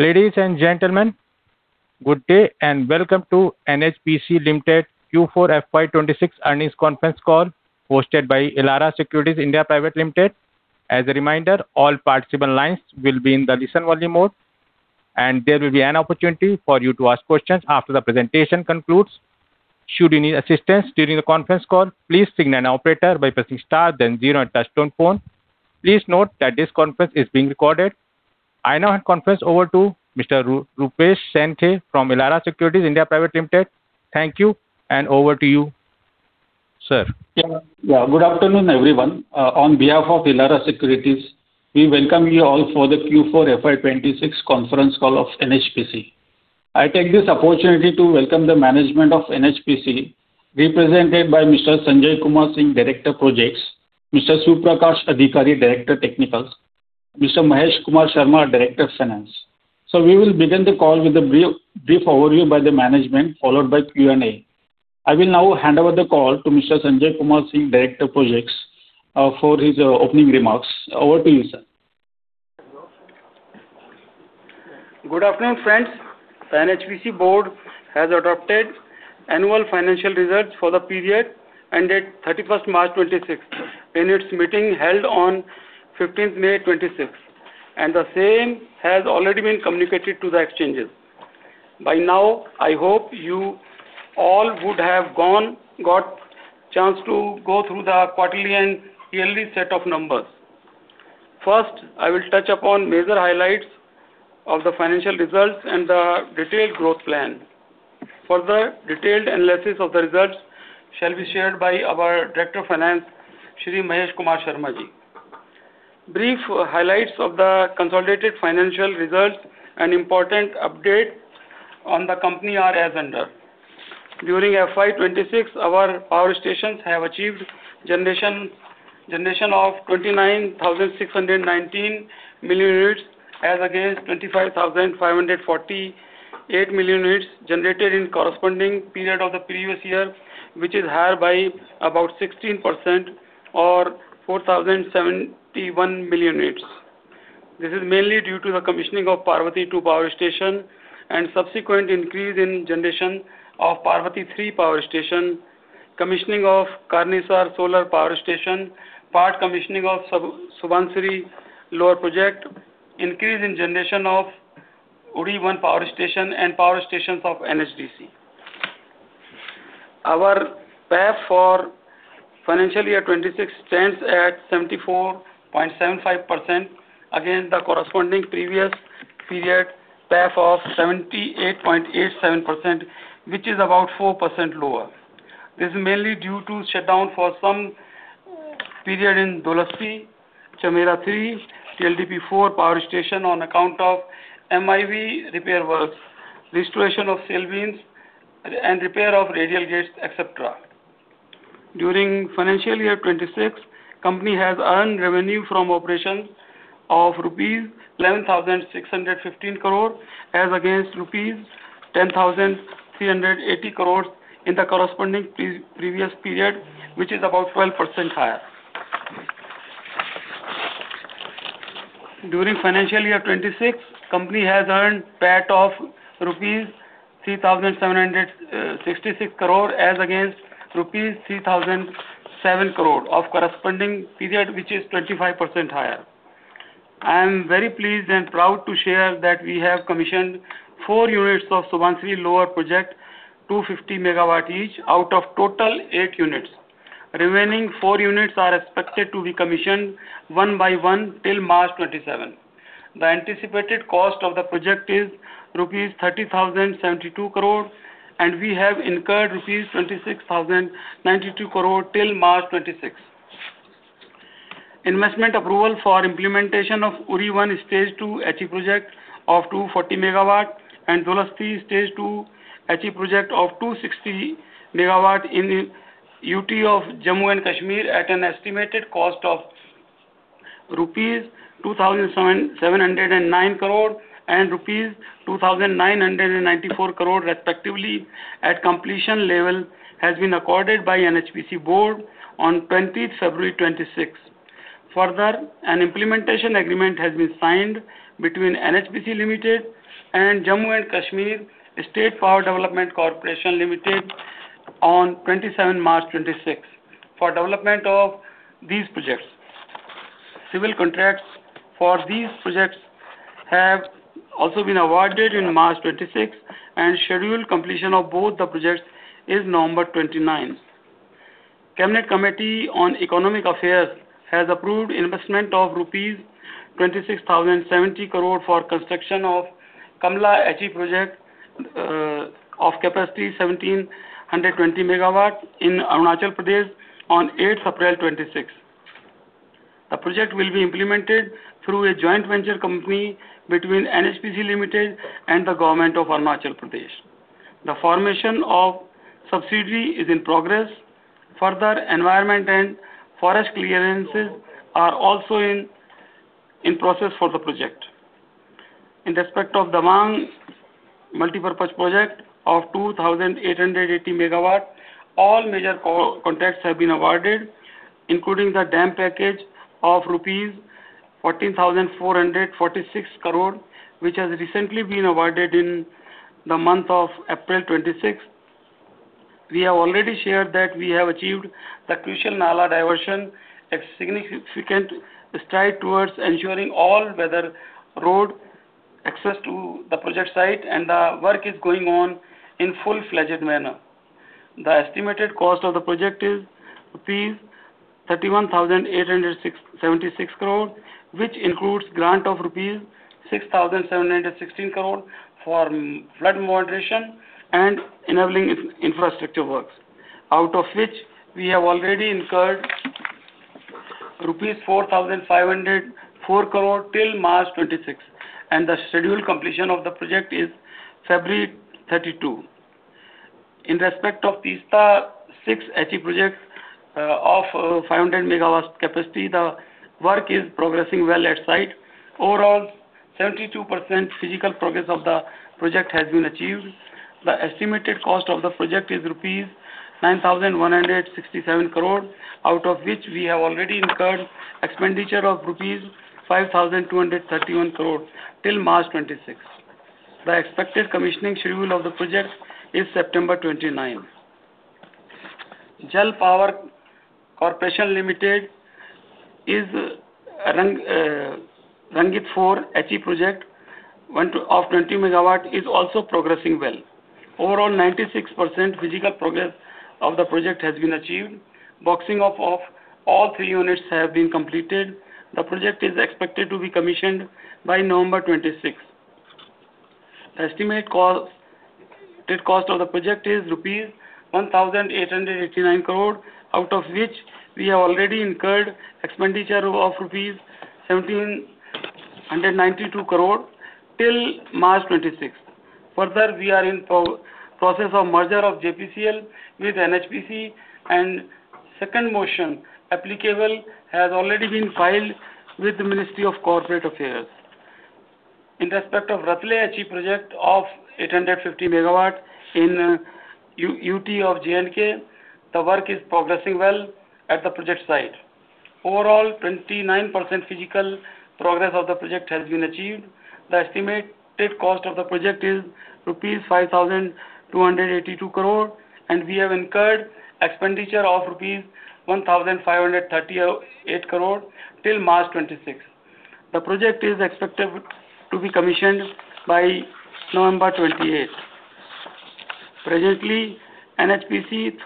Ladies and gentlemen, good day. Welcome to NHPC Limited Q4 FY 2026 earnings conference call hosted by Elara Securities India Private Limited. As a reminder, all participant lines will be in the listen-only mode. There will be an opportunity for you to ask questions after the presentation concludes. Should you need assistance during the conference call, please signal an operator by pressing star zero on touchtone phone. Please note that this conference is being recorded. I now hand conference over to Mr. Rupesh Sankhe from Elara Securities India Private Limited. Thank you. Over to you, sir. Yeah. Yeah. Good afternoon, everyone. On behalf of Elara Securities, we welcome you all for the Q4 FY 2026 conference call of NHPC. I take this opportunity to welcome the management of NHPC, represented by Mr. Sanjay Kumar Singh, Director - Projects; Mr. Suprakash Adhikari, Director - Technical; Mr. Mahesh Kumar Sharma, Director of Finance. We will begin the call with a brief overview by the management, followed by Q&A. I will now hand over the call to Mr. Sanjay Kumar Singh, Director of Projects, for his opening remarks. Over to you, sir. Good afternoon, friends. NHPC Board has adopted annual financial results for the period ended 31st March 2026 in its meeting held on 15th May 2026, and the same has already been communicated to the exchanges. By now, I hope you all would have got chance to go through the quarterly and yearly set of numbers. First, I will touch upon major highlights of the financial results and the detailed growth plan. Further detailed analysis of the results shall be shared by our Director of Finance, Shri Mahesh Kumar Sharma-ji. Brief highlights of the consolidated financial results and important update on the company are as under. During FY 2026,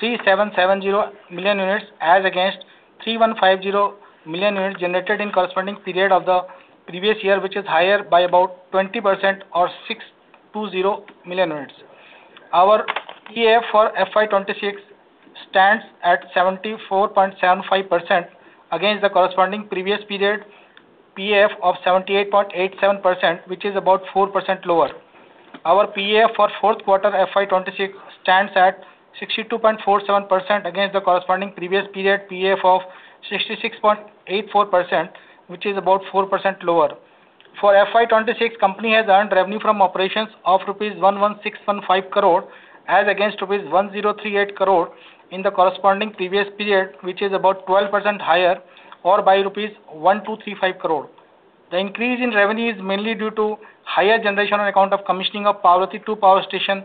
3,770 million units as against 3,150 million units generated in corresponding period of the previous year, which is higher by about 20% or 620 million units. Our PAF for FY 2026 stands at 74.75% against the corresponding previous period PAF of 78.87%, which is about 4% lower. Our PAF for fourth quarter FY 2026 stands at 62.47% against the corresponding previous period PAF of 66.84%, which is about 4% lower. For FY 2026, company has earned revenue from operations of rupees 11,615 crore as against rupees 1,038 crore in the corresponding previous period, which is about 12% higher or by rupees 1,235 crore. The increase in revenue is mainly due to higher generation on account of commissioning of Parbati-II Power Station,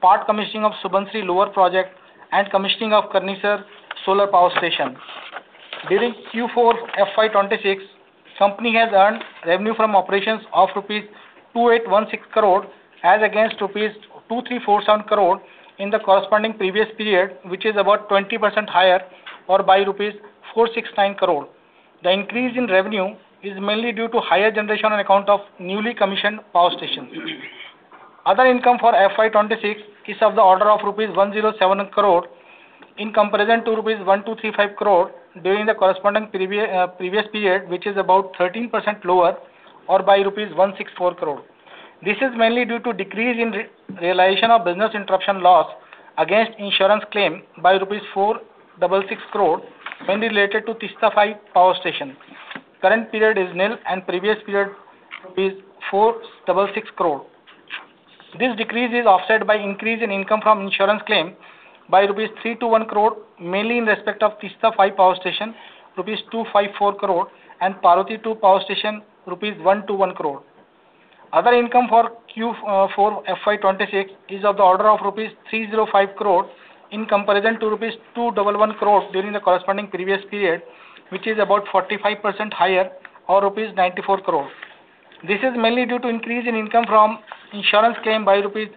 part commissioning of Subansiri Lower Project, and commissioning of Karnisar Solar Power Station. During Q4 FY 2026, company has earned revenue from operations of rupees 2,816 crore as against rupees 2,347 crore in the corresponding previous period, which is about 20% higher or by rupees 469 crore. The increase in revenue is mainly due to higher generation on account of newly commissioned power stations. Other income for FY 2026 is of the order of rupees 107 crore in comparison to rupees 1,235 crore during the corresponding previous period, which is about 13% lower or by rupees 164 crore. This is mainly due to decrease in realization of business interruption loss against insurance claim by rupees 466 crore, mainly related to Teesta-V Power Station. Current period is nil and previous period is 466 crore. This decrease is offset by increase in income from insurance claim by rupees 321 crore, mainly in respect of Teesta-V Power Station, rupees 254 crore, and Parbati-II Power Station, rupees 121 crore. Other income for Q4 FY 2026 is of the order of rupees 305 crore in comparison to rupees 211 crore during the corresponding previous period, which is about 45% higher, or rupees 94 crore. This is mainly due to increase in income from insurance claim by rupees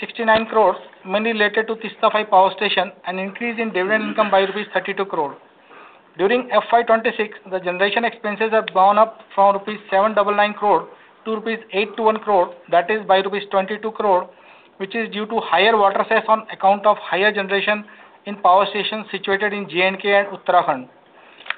69 crore, mainly related to Teesta-V Power Station, an increase in dividend income by rupees 32 crore. During FY 2026, the generation expenses have gone up from rupees 799 crore to rupees 821 crore, that is by rupees 22 crore, which is due to higher water cess on account of higher generation in power stations situated in J&K and Uttarakhand.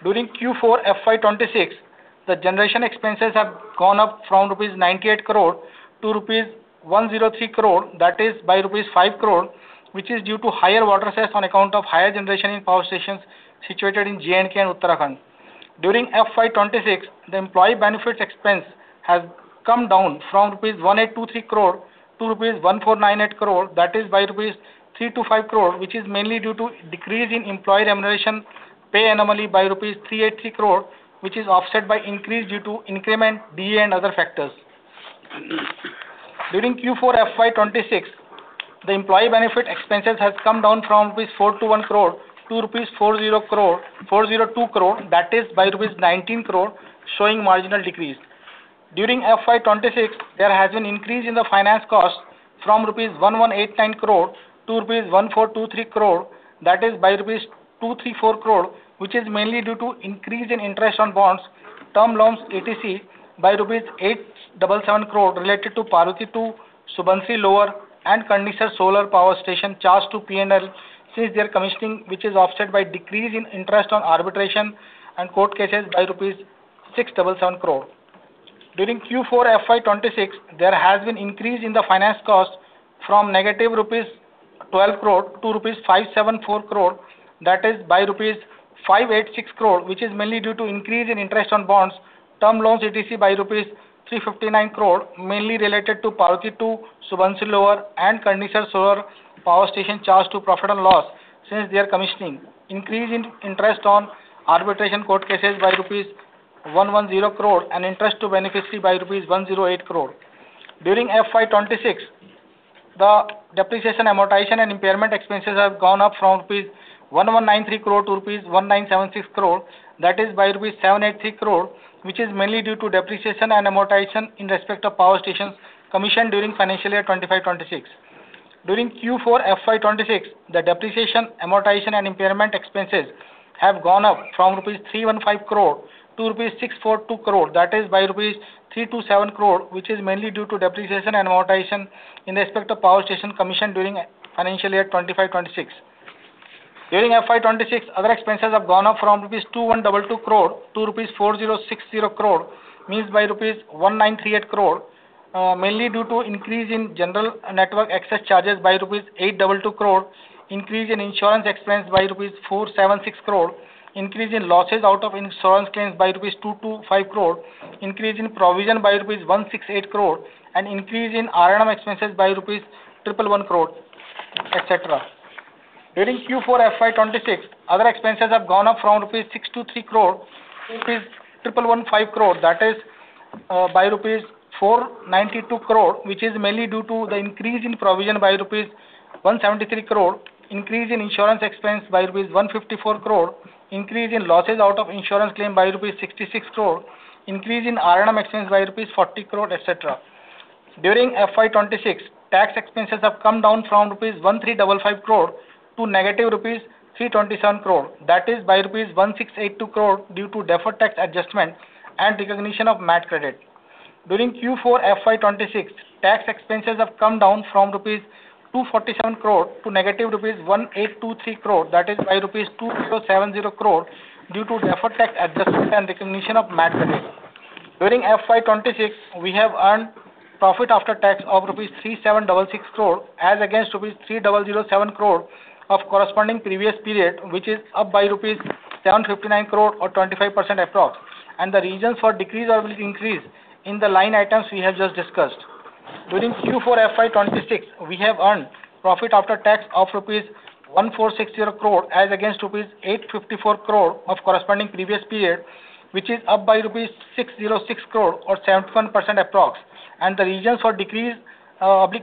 During Q4 FY 2026, the generation expenses have gone up from rupees 98 crore to rupees 103 crore, that is by rupees 5 crore, which is due to higher water cess on account of higher generation in power stations situated in J&K and Uttarakhand. During FY 2026, the employee benefits expense has come down from rupees 1,823 crore to rupees 1,498 crore, that is by rupees 325 crore, which is mainly due to decrease in employee remuneration pay anomaly by rupees 383 crore, which is offset by increase due to increment, DA, and other factors. During Q4 FY 2026, the employee benefit expenses has come down from rupees 421 crore to 402 crore, that is by rupees 19 crore, showing marginal decrease. During FY 2026, there has been increase in the finance cost from rupees 1,189 crore to rupees 1,423 crore, that is by rupees 234 crore, which is mainly due to increase in interest on bonds, term loans, etc. by rupees 877 crore related to Parbati-II, Subansiri Lower, and Karnisar Solar Power Station charged to P&L since their commissioning, which is offset by decrease in interest on arbitration and court cases by rupees 677 crore. During Q4 FY 2026, there has been increase in the finance cost from negative rupees 12 crore to rupees 574 crore, that is by rupees 586 crore, which is mainly due to increase in interest on bonds, term loans etc. by rupees 359 crore, mainly related to Parbati-II, Subansiri Lower and Karnisar Solar Power Station charged to profit and loss since their commissioning. Increase in interest on arbitration court cases by rupees 110 crore and interest to beneficiaries by rupees 108 crore. During FY 2026, the depreciation, amortization, and impairment expenses have gone up from INR 1,193 crore to INR 1,976 crore, that is by INR 783 crore, which is mainly due to depreciation and amortization in respect of power stations commissioned during financial year 2025, 2026. During Q4 FY 2026, the depreciation, amortization, and impairment expenses have gone up from rupees 315 crore to rupees 642 crore, that is by rupees 327 crore, which is mainly due to depreciation and amortization in respect of power station commissioned during financial year 2025-2026. During FY 2026, other expenses have gone up from rupees 2,122 crore to rupees 4,060 crore, means by rupees 1,938 crore, mainly due to increase in general network access charges by rupees 822 crore, increase in insurance expense by rupees 476 crore, increase in losses out of insurance claims by rupees 225 crore, increase in provision by rupees 168 crore, and increase in R&M expenses by 111 crore, etc. During Q4 FY 2026, other expenses have gone up from 623 crore rupees to 1,115 crore, that is, by rupees 492 crore, which is mainly due to the increase in provision by rupees 173 crore, increase in insurance expense by rupees 154 crore, increase in losses out of insurance claim by rupees 66 crore, increase in R&M expense by rupees 40 crore, etc. During FY 2026, tax expenses have come down from 1,355 crore rupees to -327 crore rupees, that is by 1,682 crore rupees due to deferred tax adjustment and recognition of MAT credit. During Q4 FY 2026, tax expenses have come down from rupees 247 crore to rupees -1,823 crore, that is by rupees 2,070 crore due to deferred tax adjustment and recognition of MAT credit. During FY 2026, we have earned profit after tax of rupees 3,766 crore as against rupees 3,007 crore of corresponding previous period, which is up by rupees 759 crore or 25% approx. The reasons for decrease or increase in the line items we have just discussed. During Q4 FY 2026, we have earned profit after tax of rupees 1,460 crore as against rupees 854 crore of corresponding previous period, which is up by rupees 606 crore or 71% approx. The reasons for decrease,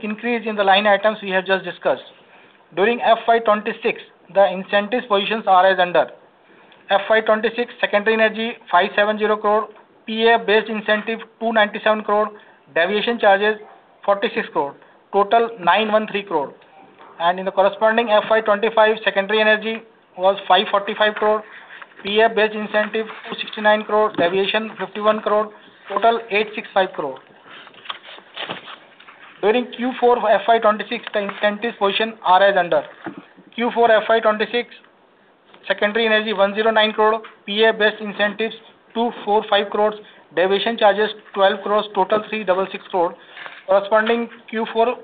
increase in the line items we have just discussed. During FY 2026, the incentives positions are as under. FY 2026, secondary energy, 570 crore, PPA-based incentive, 297 crore, deviation charges, 46 crore. Total, 913 crore. In the corresponding FY 2025, secondary energy was 545 crore, PPA-based incentive, 269 crore, deviation, 51 crore. Total, INR 865 crore. During Q4 FY 2026, the incentives position are as under. Q4 FY 2026, secondary energy, 109 crore, PPA-based incentives, 245 crore, deviation charges, 12 crore. Total, 366 crore. Corresponding Q4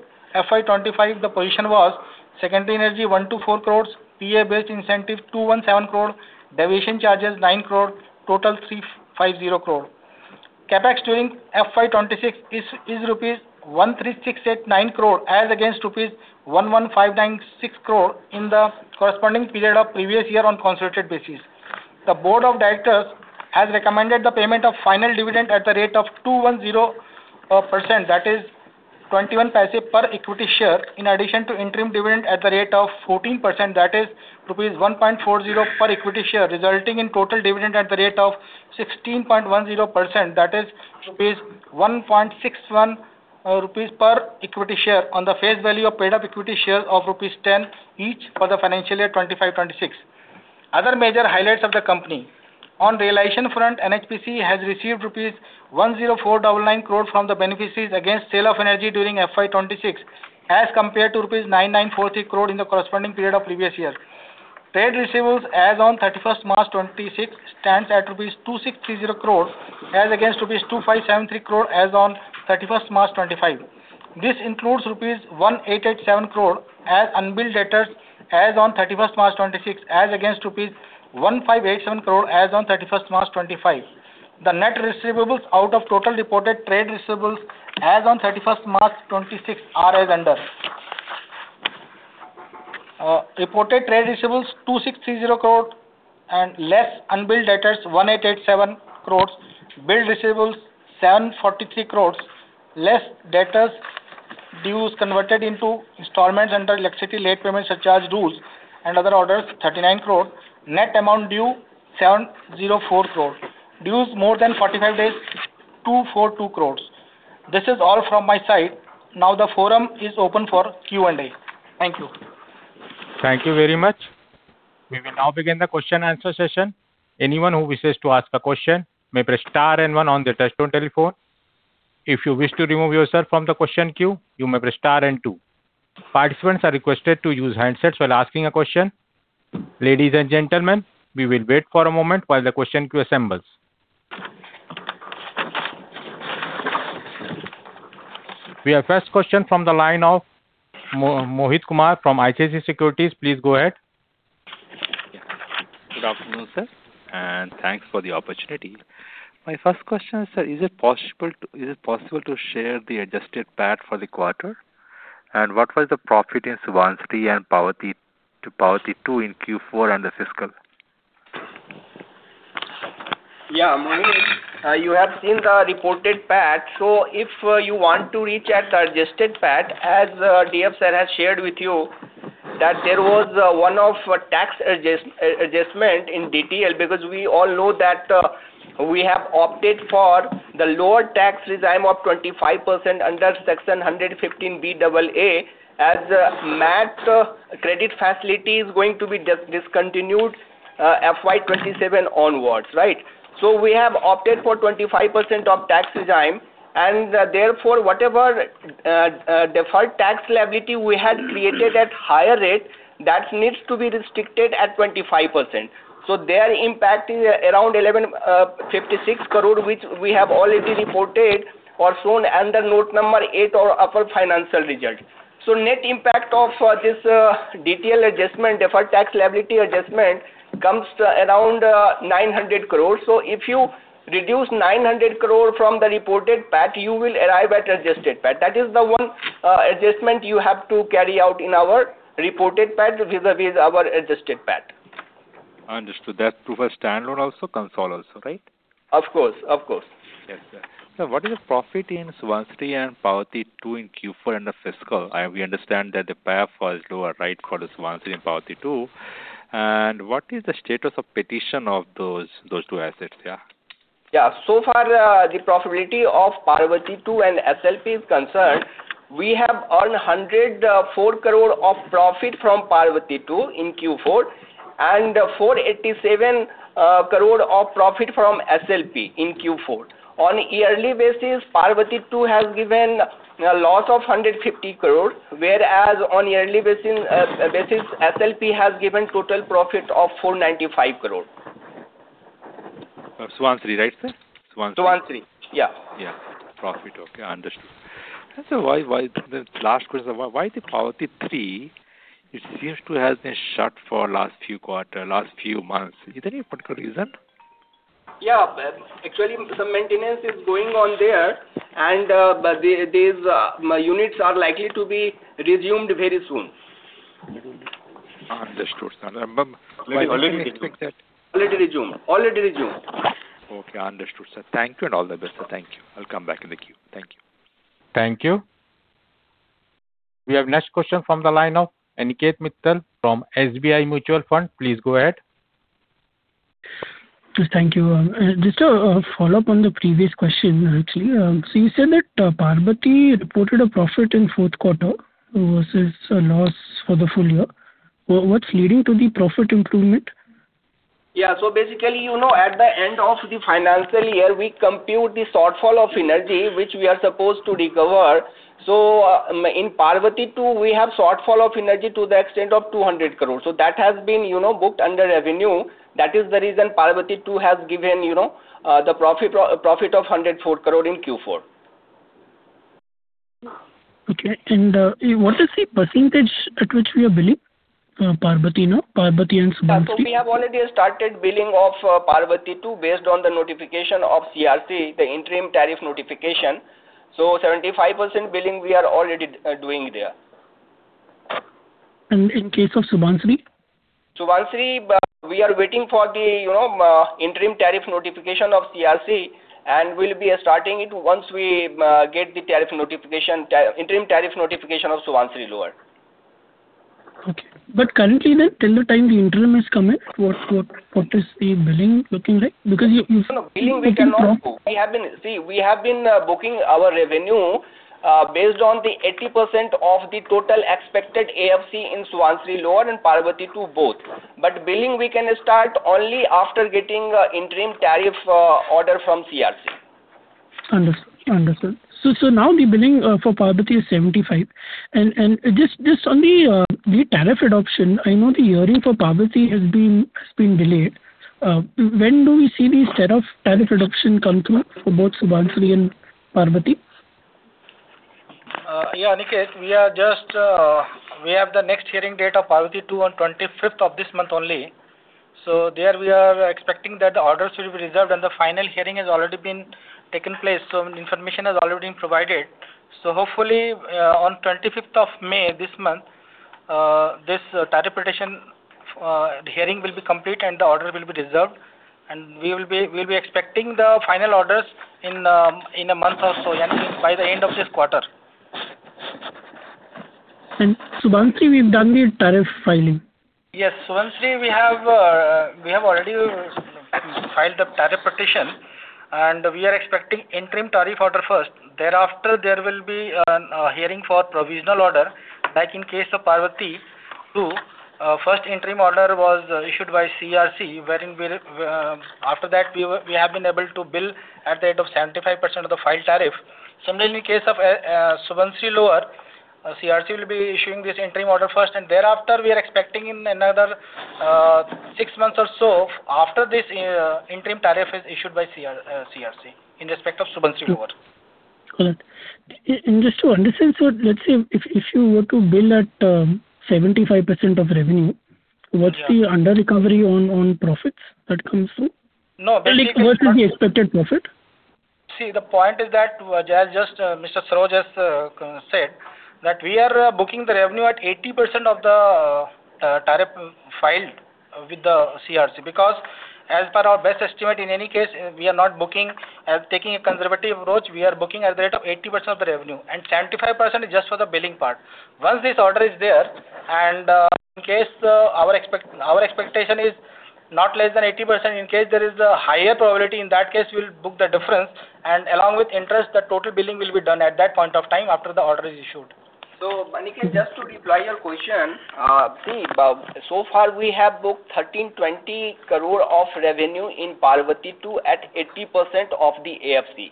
FY 2025, the position was, secondary energy, 124 crore, PPA-based incentive, 217 crore, deviation charges, 9 crore. Total, 350 crore. CapEx during FY 2026 is rupees 13,689 crore as against rupees 11,596 crore in the corresponding period of previous year on consolidated basis. The Board of Directors has recommended the payment of final dividend at the rate of 210% that is 0.21 per equity share, in addition to interim dividend at the rate of 14% that is rupees 1.40 per equity share, resulting in total dividend at the rate of 16.10% that is 1.61 rupees per equity share on the face value of paid-up equity share of rupees 10 each for the financial year 2025/2026. Other major highlights of the company. On realization front, NHPC has received INR 10,499 crore from the beneficiaries against sale of energy during FY 2026 as compared to INR 9,943 crore in the corresponding period of previous year. Trade receivables as on 31st March 2026 stands at rupees 2,630 crore as against rupees 2,573 crore as on 31st March 2025. This includes rupees 1,887 crore as unbilled debtors as on 31st March 2026 as against rupees 1,587 crore as on 31st March 2025. The net receivables out of total reported trade receivables as on 31st March 2026 are as under. Reported trade receivables, 2,630 crore and less unbilled debtors, 1,887 crore. Billed receivables, 743 crore, less debtors due converted into installments under Electricity Late Payment Surcharge Rules and other orders, 39 crore. Net amount due, 704 crore. Dues more than 45 days, 242 crore. This is all from my side. Now the forum is open for Q&A. Thank you. Thank you very much. We will now begin the question-and-answer session. Anyone who wishes to ask a question may press star and one on their touchtone telephone. If you wish to remove yourself from the question queue, you may press star and two. Participants are requested to use handsets while asking a question. Ladies and gentlemen, we will wait for a moment while the question queue assembles. We have first question from the line of Mohit Kumar from ICICI Securities. Please go ahead. Yeah. Good afternoon, sir, and thanks for the opportunity. My first question, sir, is it possible to share the adjusted PAT for the quarter? What was the profit in Subansiri and Parbati-II in Q4 and the fiscal? Mohit, you have seen the reported PAT. If you want to reach at adjusted PAT, as DF sir has shared with you that there was a one-off tax adjustment in detail because we all know that we have opted for the lower tax regime of 25% under Section 115BAA as MAT credit facility is going to be discontinued FY 2027 onwards, right? We have opted for 25% of tax regime, and therefore, whatever Deferred Tax Liability we had created at higher rate, that needs to be restricted at 25%. Their impact is around 1,156 crore, which we have already reported or shown under note number eight of our financial result. Net impact of this DTL adjustment, deferred tax liability adjustment comes to around 900 crore. If you reduce 900 crore from the reported PAT, you will arrive at adjusted PAT. That is the one adjustment you have to carry out in our reported PAT vis-a-vis our adjusted PAT. Understood. That's through for standalone also, console also, right? Of course. Of course. Yes, sir. What is the profit in Subansiri and Parbati-II in Q4 and the fiscal? We understand that the power falls lower right for the Subansiri and Parbati-II. What is the status of petition of those two assets, yeah? So far, the profitability of Parbati-II and SLP is concerned, we have earned 104 crore of profit from Parbati-II in Q4 and 487 crore of profit from SLP in Q4. On yearly basis, Parbati-II has given a loss of 150 crore, whereas on yearly basis, SLP has given total profit of 495 crore. Subansiri, right, sir? Subansiri. Subansiri. Yeah. Yeah. Profit. Okay, understood. Why the last question, why the Parbati-III, it seems to have been shut for last few quarter, last few months. Is there any particular reason? Yeah. Actually, some maintenance is going on there, these units are likely to be resumed very soon. Understood, sir. When do you expect that? Already resumed. Okay, understood, sir. Thank you and all the best, sir. Thank you. I'll come back in the queue. Thank you. Thank you. We have next question from the line of Aniket Mittal from SBI Mutual Fund. Please go ahead. Yes, thank you. Just a follow-up on the previous question, actually. You said that Parbati reported a profit in fourth quarter versus a loss for the full year. What's leading to the profit improvement? Yeah. Basically, you know, at the end of the financial year, we compute the shortfall of energy, which we are supposed to recover. In Parbati-II, we have shortfall of energy to the extent of 200 crore. That has been, you know, booked under revenue. That is the reason Parbati-II has given, you know, the profit of 104 crore in Q4. Okay. What is the percentage at which we are billing, Parbati now? Parbati and Subansiri. We have already started billing of Parbati-II based on the notification of CERC, the interim tariff notification. 75% billing we are already doing there. In case of Subansiri? Subansiri, we are waiting for the, you know, interim tariff notification of CERC, and we'll be starting it once we get the tariff notification, interim tariff notification of Subansiri Lower. Okay. Currently then, till the time the interim is coming, what is the billing looking like? No, no. Billing we cannot do. We have been booking our revenue based on the 80% of the total expected AFC in Subansiri Lower and Parbati-II both. Billing we can start only after getting interim tariff order from CERC. Understood. Understood. Now the billing for Parbati is 75. On the tariff adoption, I know the hearing for Parbati has been delayed. When do we see this tariff adoption come through for both Subansiri and Parbati? Yeah, Aniket, we are just, we have the next hearing date of Parbati-II on 25th of this month only. There we are expecting that the orders will be reserved, and the final hearing has already been taken place. Information has already been provided. Hopefully, on 25th of May this month, this tariff petition hearing will be complete, and the order will be reserved. We'll be expecting the final orders in a month or so, yeah, by the end of this quarter. Subansiri, we've done the tariff filing? Yes. Subansiri we have already filed the tariff petition, we are expecting interim tariff order first. Thereafter, there will be a hearing for provisional order. Like in case of Parbati-II, first interim order was issued by CERC, wherein we, after that we have been able to bill at the rate of 75% of the filed tariff. Similarly, in case of Subansiri Lower. CERC will be issuing this interim order first, and thereafter we are expecting in another, 6 months or so after this, interim tariff is issued by CERC in respect of Subansiri Lower. Correct. Just to understand, let's say if you were to bill at, 75% of revenue- Yeah. What's the under recovery on profits that comes through? No, basically it's not. Like what is the expected profit? The point is that, just, Mr. Saroj has said that we are booking the revenue at 80% of the tariff filed with the CERC. As per our best estimate, in any case, we are not booking. Taking a conservative approach, we are booking at the rate of 80% of the revenue. 75% is just for the billing part. Once this order is there. In case our expectation is not less than 80%, in case there is a higher probability, in that case we'll book the difference and along with interest, the total billing will be done at that point of time after the order is issued. Aniket, just to reply your question, so far we have booked 1,320 crore of revenue in Parbati-II at 80% of the AFC.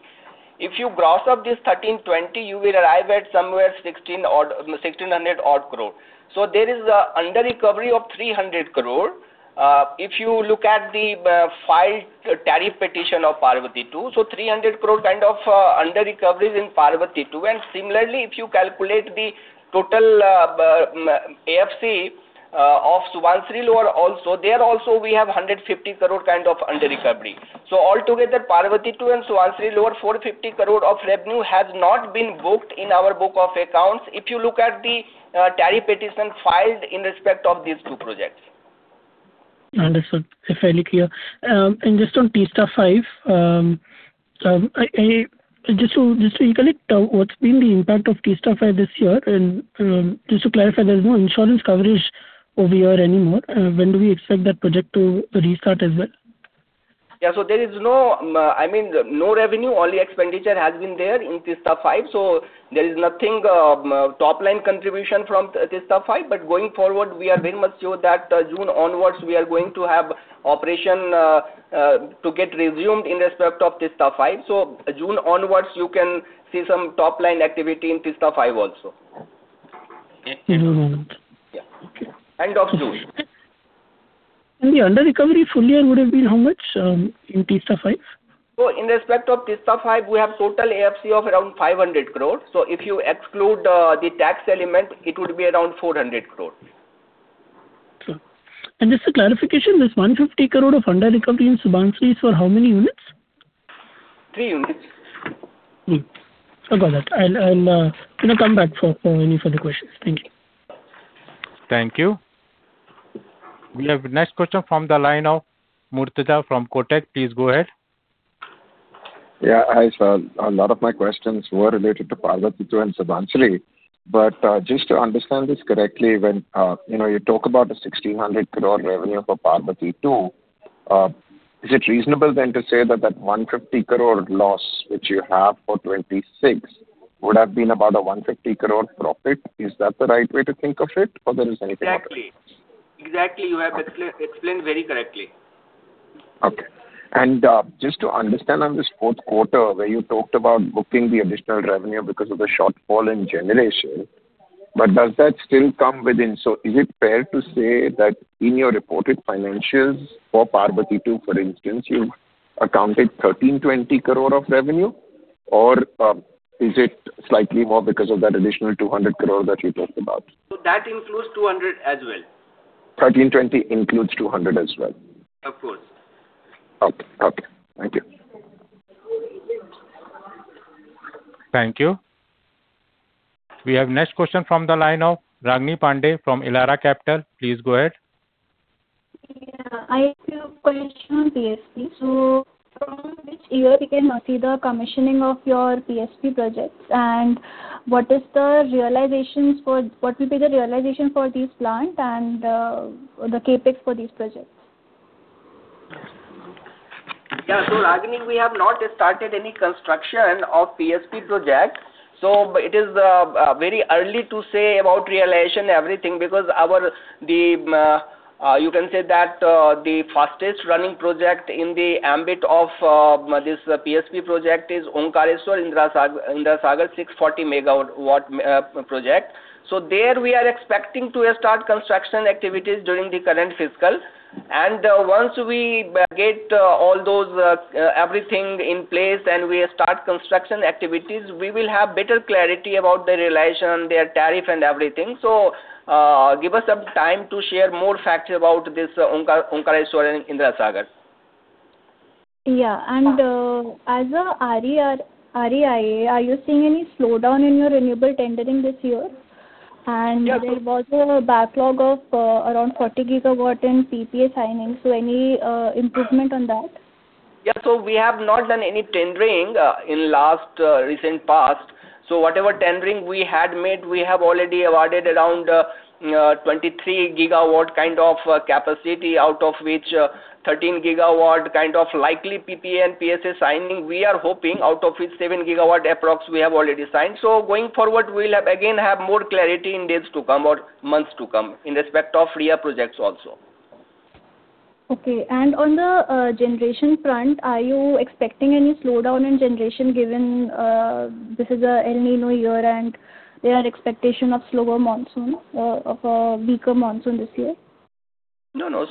If you gross up this 1,320, you will arrive at somewhere 1,600 crore. There is an under recovery of 300 crore. If you look at the filed tariff petition of Parbati-II, 300 crore kind of under recovery is in Parbati-II. Similarly, if you calculate the total AFC of Subansiri lower also, there also we have 150 crore kind of under recovery. Altogether, Parbati-II and Subansiri lower, 450 crore of revenue has not been booked in our book of accounts if you look at the tariff petition filed in respect of these two projects. Understood. It's fairly clear. Just on Teesta-V, just to recollect, what's been the impact of Teesta-V this year? Just to clarify, there's no insurance coverage over here anymore. When do we expect that project to restart as well? There is no, I mean, no revenue, only expenditure has been there in Teesta-V. There is nothing, top line contribution from Teesta-V. Going forward, we are very much sure that June onwards we are going to have operation to get resumed in respect of Teesta-V. June onwards you can see some top line activity in Teesta-V also. In a moment. Yeah. Okay. End of June. The under recovery full year would have been how much, in Teesta-V? In respect of Teesta-V, we have total AFC of around 500 crore. If you exclude the tax element, it would be around 400 crore. Sure. Just a clarification, this 150 crore of under recovery in Subansiri is for how many units? Three units. Got that. I'll, you know, come back for any further questions. Thank you. Thank you. We have next question from the line of Murtuza from Kotak. Please go ahead. Hi, sir. A lot of my questions were related to Parbati-II and Subansiri. Just to understand this correctly, when you know, you talk about a 1,600 crore revenue for Parbati-II, is it reasonable then to say that that 150 crore loss which you have for 2026 would have been about a 150 crore profit? Is that the right way to think of it or there is anything wrong? Exactly. Exactly. You have explained very correctly. Okay. Just to understand on this fourth quarter where you talked about booking the additional revenue because of the shortfall in generation, but does that still come within? Is it fair to say that in your reported financials for Parbati-II, for instance, you accounted 1,320 crore of revenue or is it slightly more because of that additional 200 crore that you talked about? That includes 200 crore as well. 1,320 includes 200 crore as well? Of course. Okay. Okay. Thank you. Thank you. We have next question from the line of Ragini Pande from Elara Capital. Please go ahead. Yeah. I have a question on PSP. From which year we can see the commissioning of your PSP projects, and what will be the realization for this plant and the CapEx for these projects? Yeah. Ragini, we have not started any construction of PSP project, so it is very early to say about realization everything because our, the, you can say that, the fastest running project in the ambit of, this PSP project is Omkareshwar-Indira Sagar 640 MW project. There we are expecting to start construction activities during the current fiscal. Once we get all those everything in place and we start construction activities, we will have better clarity about the realization, their tariff and everything. Give us some time to share more facts about this Omkareshwar and Indira Sagar. Yeah. as a RE or REIA, are you seeing any slowdown in your renewable tendering this year? Yeah. There is also a backlog of around 40 GW in PPA signing. Any improvement on that? Yeah. We have not done any tendering in last recent past. Whatever tendering we had made, we have already awarded around 23 GW kind of capacity, out of which 13 GW kind of likely PPA and PSA signing we are hoping, out of which 7 GW approx we have already signed. Going forward we'll have again have more clarity in days to come or months to come in respect of RE projects also. Okay. On the generation front, are you expecting any slowdown in generation given this is an El Niño year and there are expectation of slower monsoon, of a weaker monsoon this year? No, no.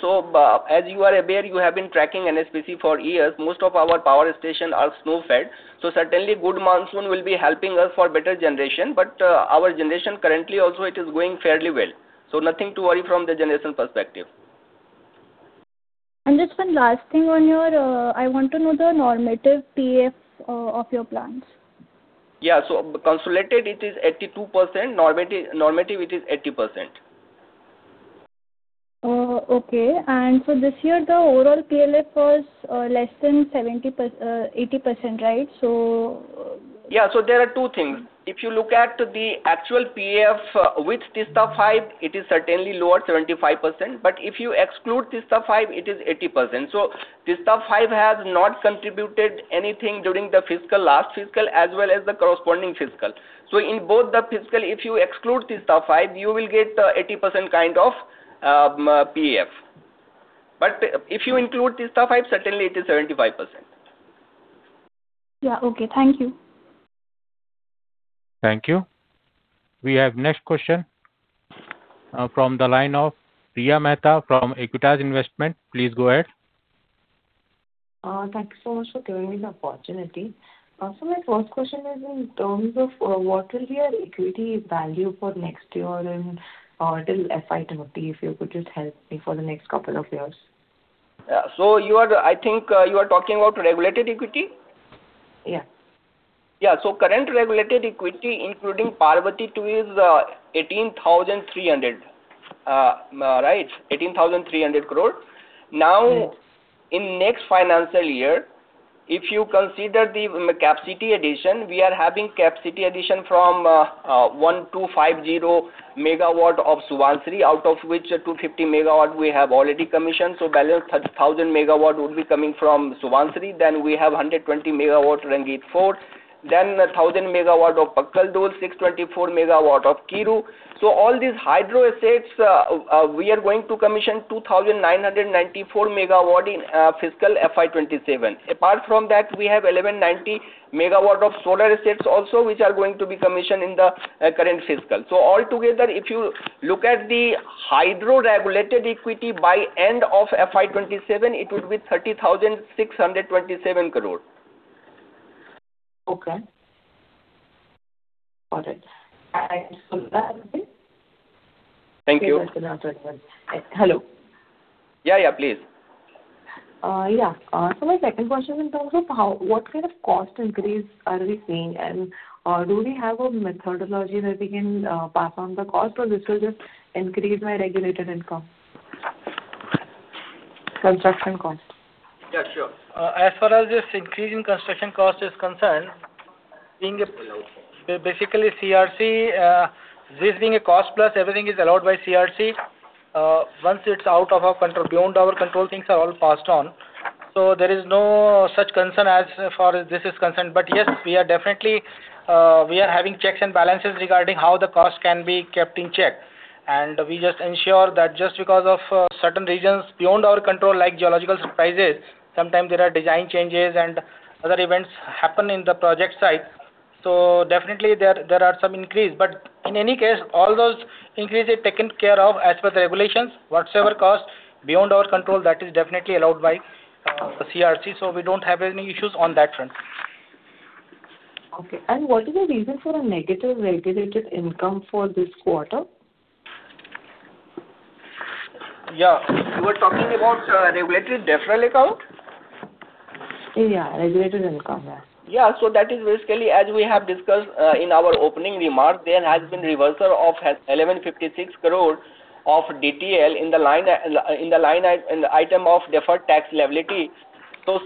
As you are aware, you have been tracking NHPC for years. Most of our Power Station are snow-fed. Certainly good monsoon will be helping us for better generation. Our generation currently also it is going fairly well. Nothing to worry from the generation perspective. Just one last thing on your I want to know the normative PAF of your plants. Yeah. Consolidated it is 82%. Normative it is 80%. Okay. This year the overall PLF was less than 80%, right? There are two things. If you look at the actual PAF with Teesta-V, it is certainly lower, 75% but if you exclude Teesta-V, it is 80%. Teesta-V has not contributed anything during the fiscal, last fiscal as well as the corresponding fiscal. In both the fiscal, if you exclude Teesta-V, you will get 80% kind of PAF but if you include Teesta-V, certainly it is 75%. Yeah, okay. Thank you. Thank you. We have next question from the line of Riya Mehta from Aequitas Investment. Please go ahead. Thank you so much for giving me the opportunity. My first question is in terms of what will be your equity value for next year and if you could just help me for the next couple of years. Yeah, I think, you are talking about regulated equity? Yeah. Yeah. Current regulated equity, including Parbati-II, is 18,300. right, 18,300 crore. Now in next financial year, if you consider the capacity addition, we are having capacity addition from 1,250 MW of Subansiri, out of which 250 MW we have already commissioned. Balance 1,000 MW would be coming from Subansiri. We have 120 MW, Rangit-IV. A 1,000 MW of Pakal Dul, 624 MW of Kiru. All these hydro assets, we are going to commission 2,994 MW in fiscal FY 2027. Apart from that, we have 1,190 MW of solar assets also, which are going to be commissioned in the current fiscal. All together, if you look at the hydro regulated equity by end of FY 2027, it would be 30,627 crore. Okay. Got it. Thank you. Okay, that's enough, everyone. Hello? Yeah, yeah, please. Yeah. My second question is in terms of what kind of cost increase are we seeing? Do we have a methodology that we can pass on the cost or this will just increase my regulated income? Construction cost. Yeah, sure. As far as this increase in construction cost is concerned, being basically CERC, this being a cost plus everything is allowed by CERC. Once it's out of our control, beyond our control, things are all passed on. There is no such concern as far as this is concerned. Yes, we are definitely, we are having checks and balances regarding how the cost can be kept in check. We just ensure that just because of certain reasons beyond our control, like geological surprises, sometimes there are design changes and other events happen in the project site. Definitely there are some increase. In any case, all those increases are taken care of as per the regulations. Whatever cost beyond our control, that is definitely allowed by the CERC, we don't have any issues on that front. Okay. What is the reason for a negative regulated income for this quarter? Yeah. You are talking about, regulated deferral account? Yeah, regulated income. Yeah. Yeah. That is basically, as we have discussed, in our opening remark, there has been reversal of 1,156 crore of DTL in the line, in the line and item of deferred tax liability.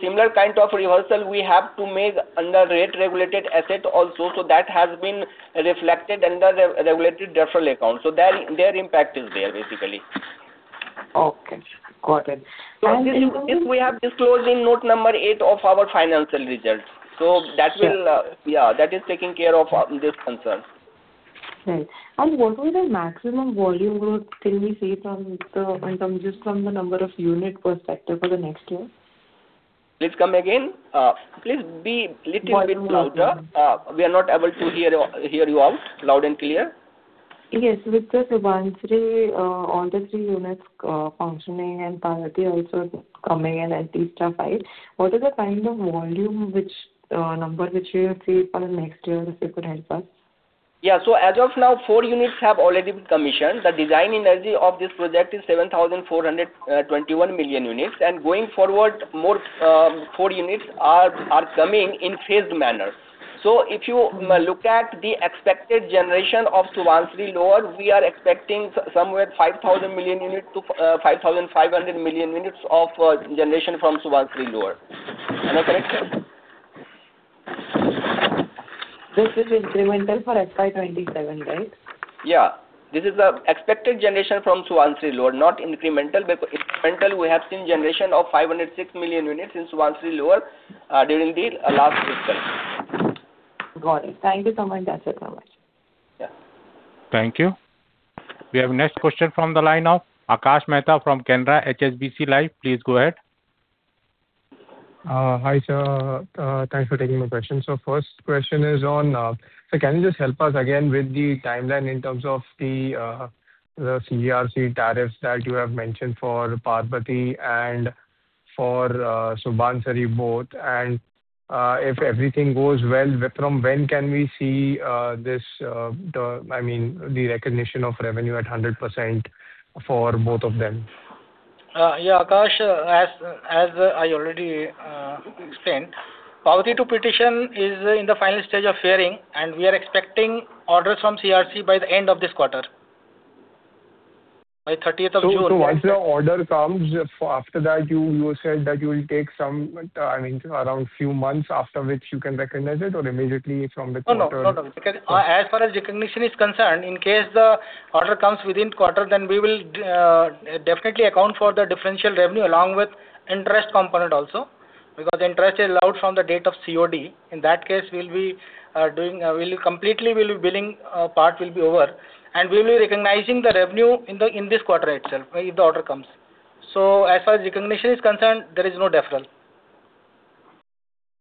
Similar kind of reversal we have to make under rate regulated asset also. That has been reflected under regulatory deferral account. Their impact is there basically. Okay. Got it. This we have disclosed in note number eight of our financial results. Sure. Yeah, that is taking care of, this concern. Right. What will be the maximum volume growth can we see in terms just from the number of unit perspective for the next year? Please come again. Please be little bit louder. Volume growth. We are not able to hear you out loud and clear. Yes. With the Subansiri, all the three units, functioning and Parbati also coming and at Teesta-V, what is the kind of volume which, number which we would see for the next year, if you could help us? Yeah. As of now, four units have already been commissioned. The design energy of this project is 7,421 million units. Going forward, more four units are coming in phased manner. If you look at the expected generation of Subansiri Lower, we are expecting somewhere 5,000 million units to 5,500 million units of generation from Subansiri Lower. Am I correct? This is incremental for FY 2027, right? Yeah. This is expected generation from Subansiri Lower, not incremental. Incremental we have seen generation of 506 million units in Subansiri Lower during the last fiscal. Got it. Thank you so much. That's it. So much. Yeah. Thank you. We have next question from the line of Akash Mehta from Canara HSBC Life. Please go ahead. Hi, sir. Thanks for taking my question. Can you just help us again with the timeline in terms of the CERC tariffs that you have mentioned for Parbati and for Subansiri both. If everything goes well, from when can we see this, I mean, the recognition of revenue at 100% for both of them? Yeah, Akash, as I already explained, Parbati-II petition is in the final stage of hearing, and we are expecting orders from CERC by the end of this quarter, by 13th of June. Once the order comes, after that you said that you will take some, I mean, around few months after which you can recognize it or immediately from the quarter? No, no. No, no. As far as recognition is concerned, in case the order comes within quarter, then we will definitely account for the differential revenue along with interest component also, because the interest is allowed from the date of COD. In that case, we'll completely be billing, part will be over, and we'll be recognizing the revenue in this quarter itself if the order comes. As far as recognition is concerned, there is no deferral.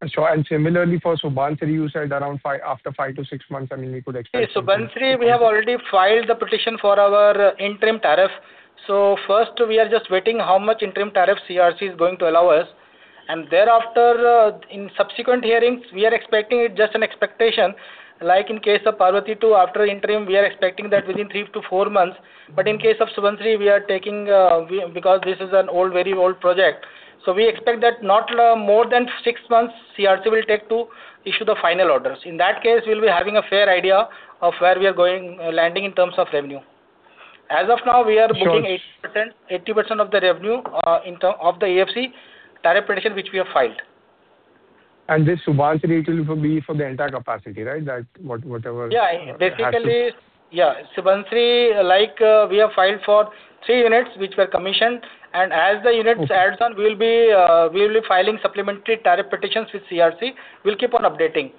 Sure. Similarly for Subansiri, you said around five, after five to six months, I mean, we could expect. See, Subansiri, we have already filed the petition for our interim tariff. First we are just waiting how much interim tariff CERC is going to allow us. Thereafter, in subsequent hearings, we are expecting it just an expectation, like in case of Parbati-II, after interim we are expecting that within three to four months. In case of Subansiri, we are taking because this is an old, very old project, so we expect that not more than six months CERC will take to issue the final orders. In that case, we'll be having a fair idea of where we are going, landing in terms of revenue. As of now, we are- Sure. ...booking 80% of the revenue of the AFC tariff petition which we have filed. This Subansiri, it will be for the entire capacity, right? Yeah. Basically AFC. Yeah. Subansiri, like, we have filed for three units which were commissioned, and as the units- Okay. -adds on, we will be filing supplementary tariff petitions with CERC. We'll keep on updating.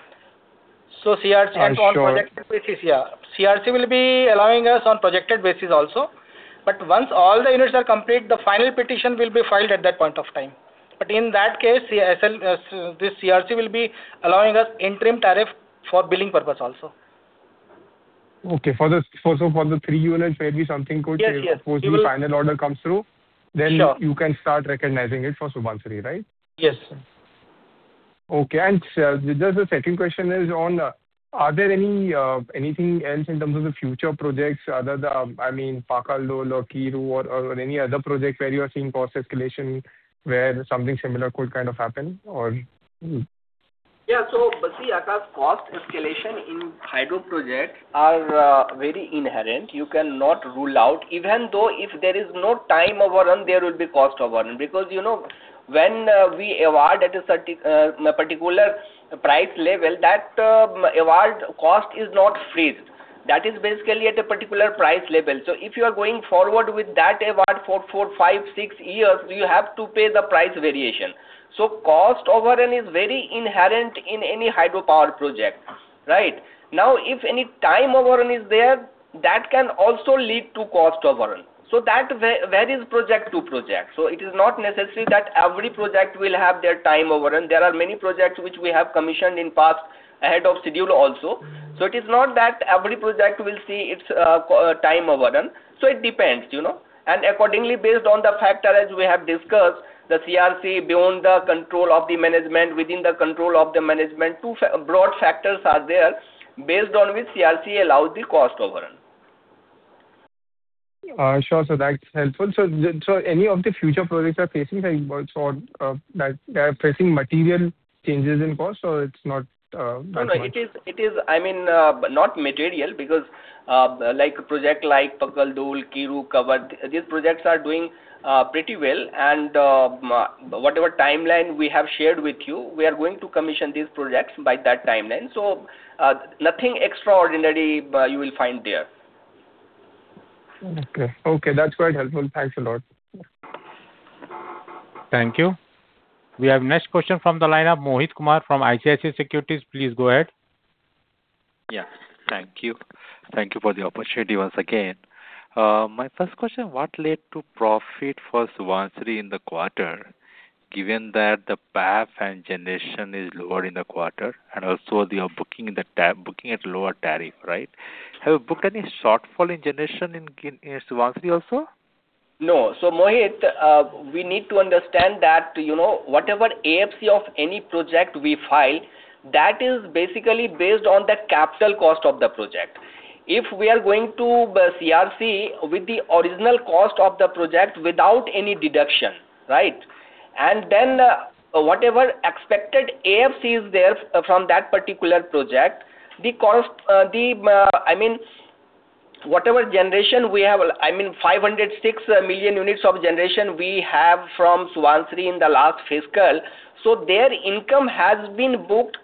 Sure. On projected basis, yeah. CERC will be allowing us on projected basis also. Once all the units are complete, the final petition will be filed at that point of time. In that case, this CERC will be allowing us interim tariff for billing purpose also. Okay. For the three units- Yes, yes. ...suppose the final order comes through. Sure. You can start recognizing it for Subansiri, right? Yes. Okay. Just the second question is on, are there any, anything else in terms of the future projects other than, I mean, Pakal Dul or Kiru or any other project where you are seeing cost escalation where something similar could kind of happen or? Yeah. Basically, Akash, cost escalation in hydro projects are very inherent. You cannot rule out, even though if there is no time overrun, there will be cost overrun because, you know, when we award at a particular price level, that award cost is not freezed. That is basically at a particular price level. If you are going forward with that award for four, five, six years, you have to pay the price variation. Cost overrun is very inherent in any hydropower project, right? Now if any time overrun is there, that can also lead to cost overrun. That varies project to project. It is not necessary that every project will have their time overrun. There are many projects which we have commissioned in past ahead of schedule also. It is not that every project will see its time overrun. It depends, you know. Accordingly, based on the factor as we have discussed, the CERC beyond the control of the management, within the control of the management, two broad factors are there based on which CERC allows the cost overrun. Sure. That's helpful. Any of the future projects are facing like, they are facing material changes in cost or it's not, that much? No, no, it is, it is, I mean, not material because, like project like Pakal Dul, Kiru, Kwar, these projects are doing pretty well and, whatever timeline we have shared with you, we are going to commission these projects by that timeline. Nothing extraordinary, you will find there. Okay. Okay, that's quite helpful. Thanks a lot. Thank you. We have next question from the line of Mohit Kumar from ICICI Securities. Please go ahead. Thank you. Thank you for the opportunity once again. My first question, what led to profit for Subansiri in the quarter, given that the PAF and generation is lower in the quarter, and also you are booking the booking at lower tariff, right? Have you booked any shortfall in generation in Subansiri also? No. Mohit, we need to understand that, you know, whatever AFC of any project we file, that is basically based on the capital cost of the project. If we are going to the CERC with the original cost of the project without any deduction, right? Whatever expected AFC is there from that particular project, the cost, the, I mean, whatever generation we have, I mean, 506 million units of generation we have from Subansiri in the last fiscal, their income has been booked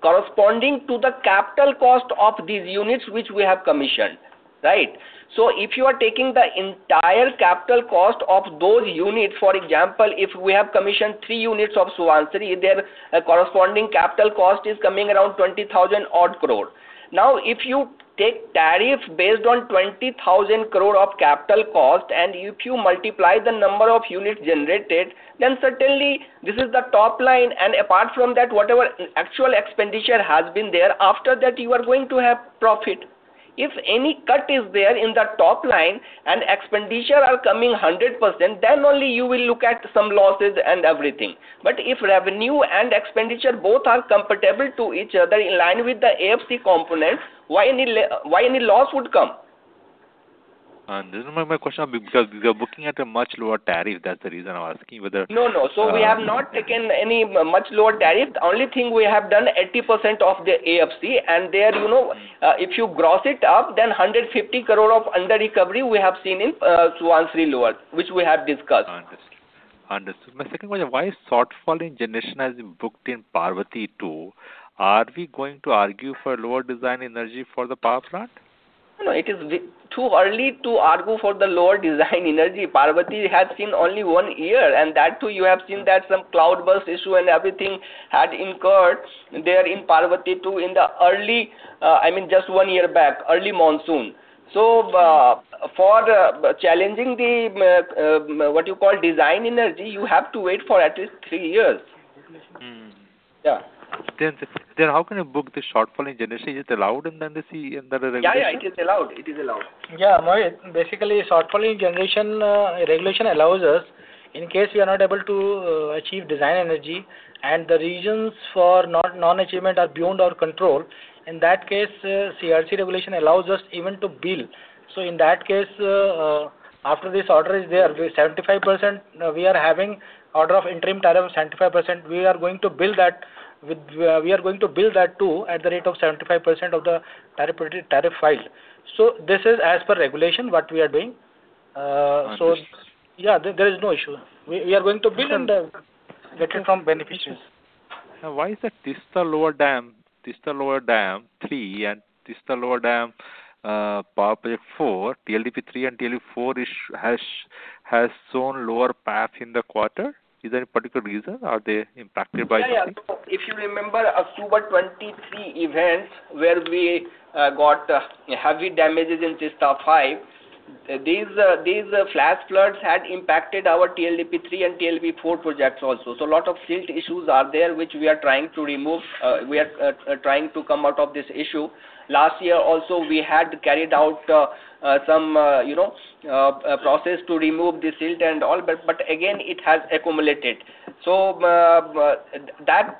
corresponding to the capital cost of these units which we have commissioned. If you are taking the entire capital cost of those units, for example, if we have commissioned three units of Subansiri, their corresponding capital cost is coming around 20,000-odd crore. Now if you take tariff based on 20,000 crore of capital cost, and if you multiply the number of units generated, then certainly this is the top line. Apart from that, whatever actual expenditure has been there, after that you are going to have profit. If any cut is there in the top line and expenditure are coming 100%, then only you will look at some losses and everything. If revenue and expenditure both are comparable to each other in line with the AFC component, why any loss would come? This is my question, because we are looking at a much lower tariff. That's the reason I'm asking. No, no. We have not taken any much lower tariff. The only thing we have done 80% of the AFC, there, you know, if you gross it up, then 150 crore of under-recovery we have seen in Subansiri Lower, which we have discussed. Understood. Understood. My second question, why shortfall in generation has been booked in Parbati-II? Are we going to argue for lower design energy for the power plant? No, it is too early to argue for the lower design energy. Parbati has seen only one year, and that too you have seen that some cloudburst issue and everything had incurred there in Parbati-II in the early, I mean, just one year back, early monsoon. For challenging the what you call design energy, you have to wait for at least three years. Yeah. How can you book the shortfall in generation? Is it allowed in the NC, in the regulation? Yeah. It is allowed. It is allowed. Yeah, no, basically, shortfall in generation, regulation allows us in case we are not able to achieve design energy and the reasons for not non-achievement are beyond our control. In that case, CERC regulation allows us even to bill. In that case, after this order is there, we 75%, we are having order of interim tariff 75%. We are going to bill that with, we are going to bill that too at the rate of 75% of the tariff file. This is as per regulation what we are doing. Understood. Yeah, there is no issue. We are going to bill and get it from beneficiaries. Why is that Teesta Lower Dam, Teesta Lower Dam III and Teesta Lower Dam Power Project IV, TLDP III and TLDP IV has shown lower PAF in the quarter. Is there any particular reason? Are they impacted by something? Yeah, yeah. If you remember October 23 events where we got heavy damages in Teesta-VI, these flash floods had impacted our TLDP III and TLDP IV projects also. A lot of silt issues are there, which we are trying to remove. We are trying to come out of this issue. Last year also, we had carried out some, you know, process to remove the silt and all, but again it has accumulated. That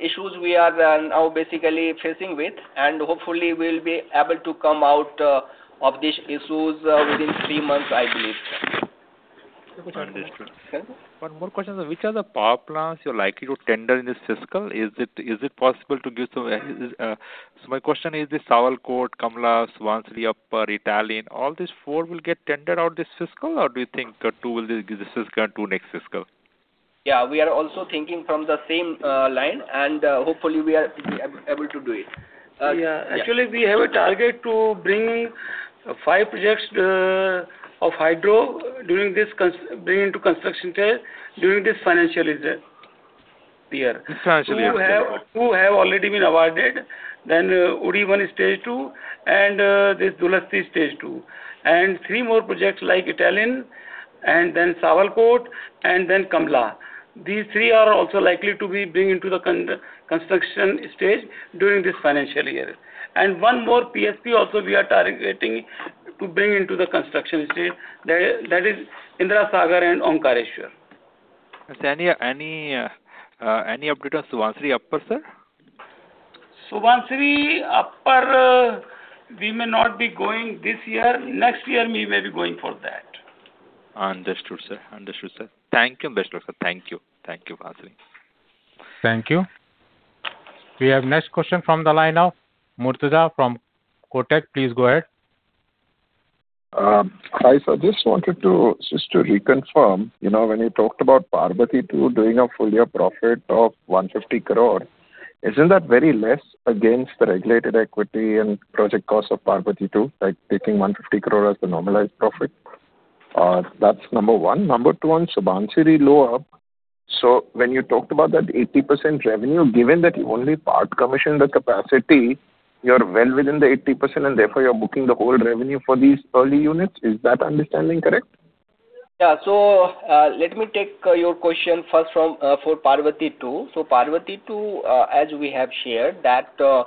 issues we are now basically facing with, and hopefully we'll be able to come out of these issues within three months, I believe. Understood. One more question, sir. Which are the power plants you are likely to tender in this fiscal? Is it possible to give some? My question is this Sawalkot, Kamala, Subansiri Upper, Etalin, all these four will get tendered out this fiscal or do you think two will be this fiscal and two next fiscal? Yeah, we are also thinking from the same line and, hopefully we are able to do it. Yeah. Actually, we have a target to bring five projects, of hydro bring into construction stage during this financial year. Financial year. Two have already been awarded. Uri-I Stage II and this Dulhasti Stage-II. Theree more projects like Etalin and then Sawalkot and then Kamala. These three are also likely to be bring into the construction stage during this financial year. One more PSP also we are targeting to bring into the construction stage. That is Indira Sagar and Omkareshwar. Any update on Subansiri Upper, sir? Subansiri Upper, we may not be going this year. Next year we may be going for that. Understood, sir. Understood, sir. Thank you, [Vishwas] sir. Thank you. Thank you for answering. Thank you. We have next question from the line of Murtaza from Kotak. Please go ahead. Hi, sir. Just wanted to reconfirm, you know, when you talked about Parbati-II doing a full year profit of 150 crore, isn't that very less against the regulated equity and project cost of Parbati-II, like taking 150 crore as the normalized profit? That's number one. Number 2 on Subansiri Lower. When you talked about that 80% revenue, given that you only part commissioned the capacity, you are well within the 80% and therefore you are booking the whole revenue for these early units. Is that understanding correct? Let me take your question first for Parbati-II. Parbati-II, as we have shared that the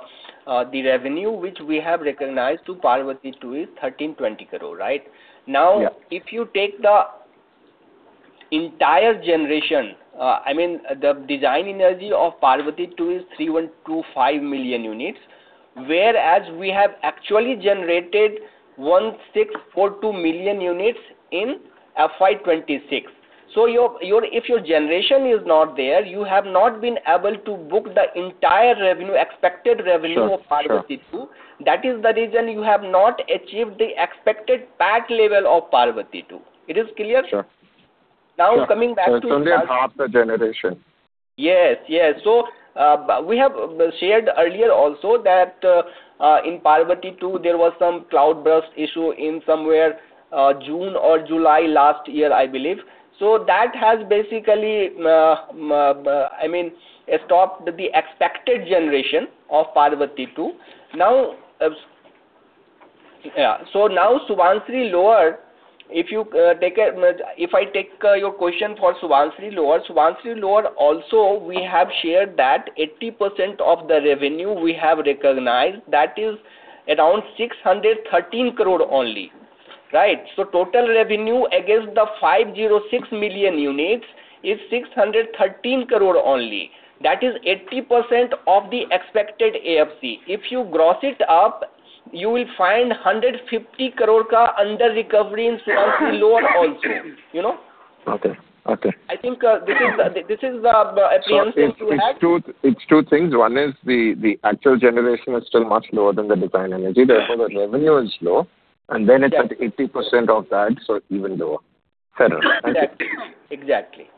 revenue which we have recognized to Parbati-II is 1,320 crore, right? Yeah. If you take the entire generation, I mean, the design energy of Parbati-II is 3,125 million units, whereas we have actually generated 1,642 million units in FY 2026. If your generation is not there, you have not been able to book the entire revenue, expected revenue of Parbati-II. Sure. That is the reason you have not achieved the expected PAF level of Parbati-II. It is clear? Sure. Now coming back to- It's only half the generation. Yes, yes. We have shared earlier also that in Parbati-II there was some cloudburst issue in somewhere June or July last year, I believe. That has basically, I mean, stopped the expected generation of Parbati-II. Now Yeah. Now Subansiri Lower, if I take your question for Subansiri Lower, Subansiri Lower also we have shared that 80% of the revenue we have recognized, that is around 613 crore only, right? Total revenue against the 506 million units is 613 crore only. That is 80% of the expected AFC. If you gross it up, you will find 150 crore under recovery in Subansiri Lower also, you know. Okay, okay. I think, this is the plan since you asked. It's two things. One is the actual generation is still much lower than the design energy, therefore the revenue is low. Then it's at 80% of that, so even lower. Fair enough. Exactly.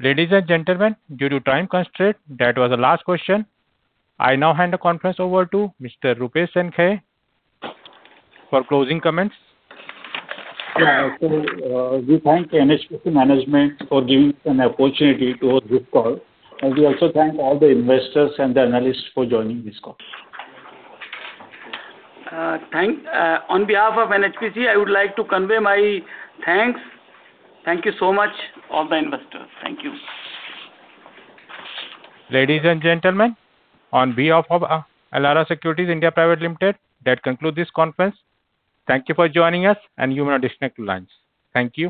Ladies and gentlemen, due to time constraint, that was the last question. I now hand the conference over to Mr. Rupesh Sankhe for closing comments. Yeah. We thank the NHPC management for giving us an opportunity to host this call, and we also thank all the investors and the analysts for joining this call. On behalf of NHPC, I would like to convey my thanks. Thank you so much all the investors. Thank you. Ladies and gentlemen, on behalf of Elara Securities India Private Limited, that concludes this conference. Thank you for joining us, and you may disconnect your lines. Thank you.